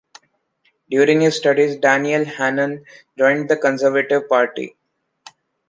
During his studies, Daniel Hannan joined the Conservative Party.